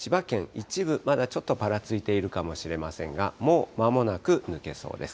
一部、まだちょっとぱらついているかもしれませんが、もうまもなく抜けそうです。